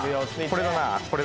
これだな。